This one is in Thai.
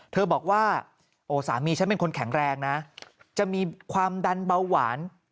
เธอบอกว่าโอ้สามีฉันเป็นคนแข็งแรงนะจะมีความดันเบาหวาน